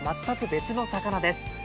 全く別の魚です。